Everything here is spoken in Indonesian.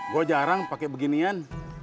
gue jarang pake beginian